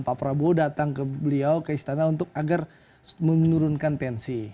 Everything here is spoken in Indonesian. pak prabowo datang ke beliau ke istana untuk agar menurunkan tensi